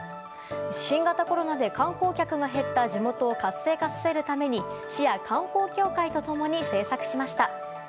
新型コロナで観光客が減った地元を活性化させるため市や観光協会と共に制作しました。